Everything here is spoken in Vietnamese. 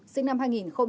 sinh năm hai nghìn bốn